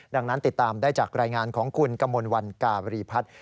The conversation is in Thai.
ดังนั้นติดตามได้จากรายงานของคุณกมลวันการีพัฒน์